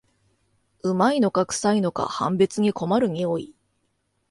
旨いのかくさいのか判別に困る匂い